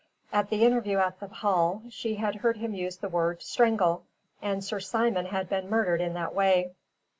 At the interview at the Hall, she had heard him use the word "strangle," and Sir Simon had been murdered in that way.